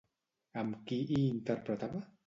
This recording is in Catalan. Amb qui hi interpretava?